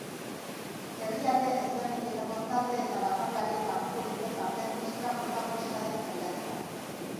Herrialde ezberdinetako talde eta bakarlariek hartuko dute parte musika protagonista den jaialdian.